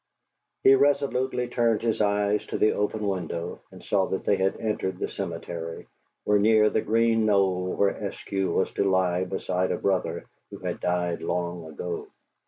He resolutely turned his eyes to the open window and saw that they had entered the cemetery, were near the green knoll where Eskew was to lie beside a brother who had died long ago.